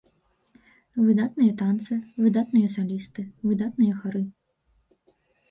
Выдатныя танцы, выдатныя салісты, выдатныя хары.